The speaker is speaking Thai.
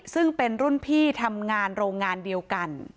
ซึ่งเป็นรุ่นพี่ทำงานโรงงานเดียวกัน